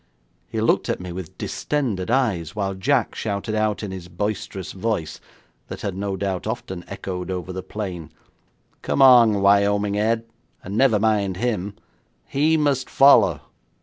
He looked at me with distended eyes, while Jack shouted out in his boisterous voice, that had no doubt often echoed over the plain: 'Come on, Wyoming Ed, and never mind him. He must follow.'